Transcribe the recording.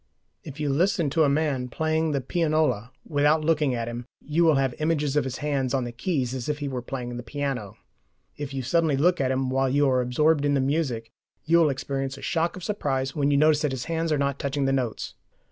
If you listen to a man playing the pianola without looking at him, you will have images of his hands on the keys as if he were playing the piano; if you suddenly look at him while you are absorbed in the music, you will experience a shock of surprise when you notice that his hands are not touching the notes.